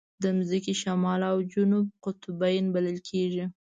د ځمکې شمال او جنوب قطبین بلل کېږي.